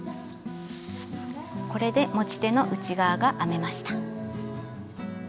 これで持ち手の内側が編めました。